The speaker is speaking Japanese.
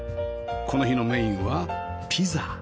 この日のメインはピザ